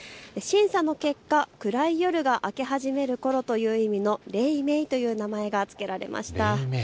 審査の結果、暗い夜が明け始めることを指す黎明という名前が付けられました。